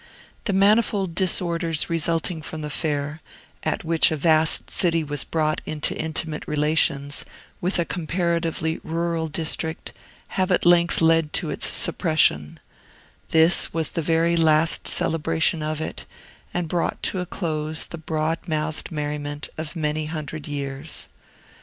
The manifold disorders resulting from the fair, at which a vast city was brought into intimate relations with a comparatively rural district, have at length led to its suppression; this was the very last celebration of it, and brought to a close the broad mouthed merriment of many hundred years.